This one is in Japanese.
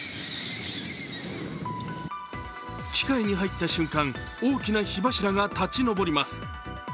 機械に入った瞬間、大きな火柱が立ち上ります。